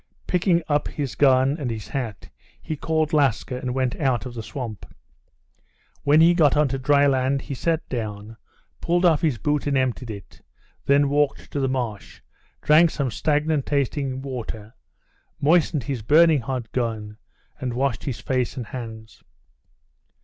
Picking up his gun and his hat, he called Laska, and went out of the swamp. When he got on to dry ground he sat down, pulled off his boot and emptied it, then walked to the marsh, drank some stagnant tasting water, moistened his burning hot gun, and washed his face and hands.